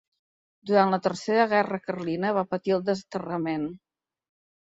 Durant la tercera guerra carlina va patir el desterrament.